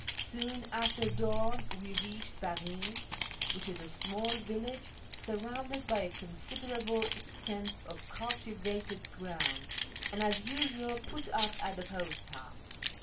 Soon after dawn we reached Baghin (which is a small village surrounded by a considerable extent of cultivated grouudj, and, as usual, put up at the post house.